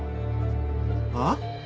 あっ？